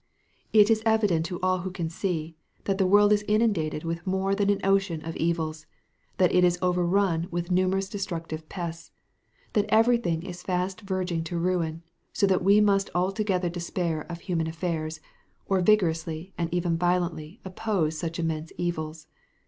It is evident to all who can see, that the world is inundated with more than an ocean of evils, that it is overrun with numerous destructive pests, that every thing is fast verging to ruin, so that we must altogether despair of human affairs, or vigorously and even violently oppose such immense evils.